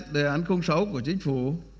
đề án sáu của chính phủ